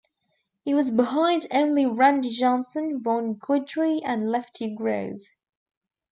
He was behind only Randy Johnson, Ron Guidry, and Lefty Grove.